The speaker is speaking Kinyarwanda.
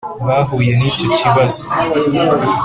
Bahuye n icyo kibazo